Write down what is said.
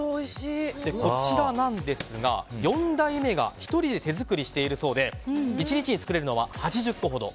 こちらなんですが、４代目が１人で手作りしているそうで１日で作れるのは８０個ほど。